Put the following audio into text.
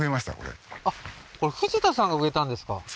あっこれ藤田さんが植えたんですか？